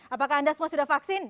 apakah anda semua sudah vaksin